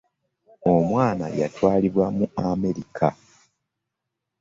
Omwana yatwalibwa mu Amerika.